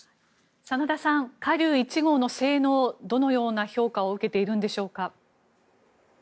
真田さん、華竜１号の性能どのような評価を受けているんでしょうか。